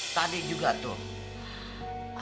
tadi juga tuh